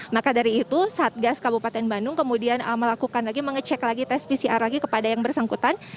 maka dari itu satgas kabupaten bandung kemudian melakukan lagi mengecek lagi tes pcr lagi kepada yang bersangkutan